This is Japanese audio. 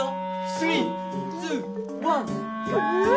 スリーツーワンクゥ！